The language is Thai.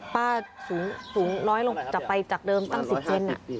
ป้าสูงน้อยลงจะไปจากเดิมตั้ง๑๐เซน